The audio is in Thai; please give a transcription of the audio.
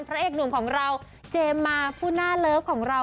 พระเอกหนุ่มของเราเจมส์มาผู้หน้าเลิฟของเรา